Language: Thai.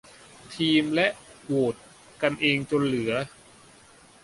ทีมและโหวดกันเองจนเหลือ